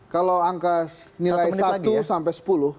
kalau angka nilai satu sampai sepuluh